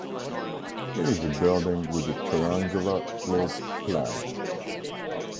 It is a building with a triangular floor plan.